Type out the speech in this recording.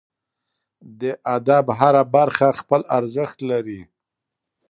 د ادب هره برخه خپل ارزښت لري.